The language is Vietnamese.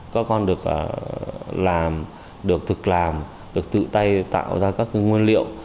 các con được làm được thực làm được tự tay tạo ra các nguyên liệu